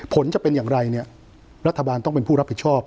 ผลจะเป็นอย่างไรเนี่ยรัฐบาลต้องเป็นผู้รับผิดชอบ